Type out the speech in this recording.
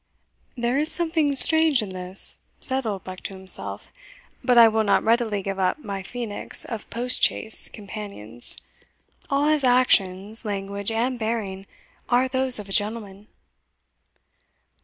"There is something strange in this," said Oldbuck to himself; "but I will not readily give up my phoenix of post chaise companions all his actions, language, and bearing, are those of a gentleman."